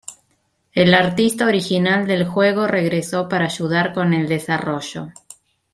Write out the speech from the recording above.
El artista original del juego regresó para ayudar con el desarrollo.